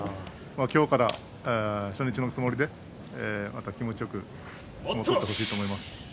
今日から初日のつもりでまた気持ちよく取ってほしいと思います。